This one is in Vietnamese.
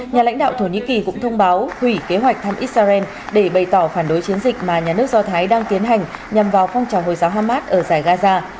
nhà lãnh đạo thổ nhĩ kỳ cũng thông báo hủy kế hoạch thăm israel để bày tỏ phản đối chiến dịch mà nhà nước do thái đang tiến hành nhằm vào phong trào hồi giáo hamas ở giải gaza